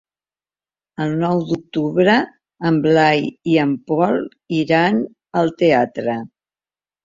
El nou d'octubre en Blai i en Pol iran al teatre.